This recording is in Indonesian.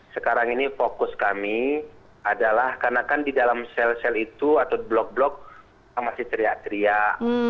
sekarang ini fokus kami adalah karena kan di dalam sel sel itu atau blok blok masih teriak teriak